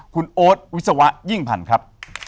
คุณโอ๊ตวิศวะยิ่งพันธุ์ครับ